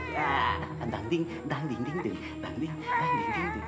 tidak dinding dinding dinding